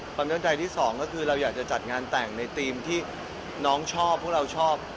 ความตั้งใจที่สองก็คือเราอยากจะจัดงานแต่งในธีมที่น้องชอบพวกเราชอบ